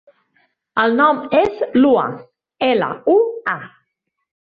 El nom és Lua: ela, u, a.